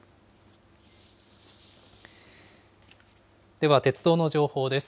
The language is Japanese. では鉄道の情報です。